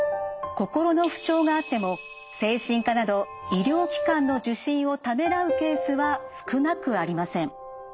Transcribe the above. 心の不調があっても精神科など医療機関の受診をためらうケースは少なくありません。